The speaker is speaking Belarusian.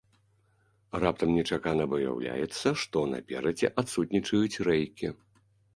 Раптам нечакана выяўляецца, што наперадзе адсутнічаюць рэйкі.